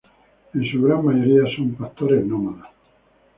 En su gran mayoría son pastores nómadas.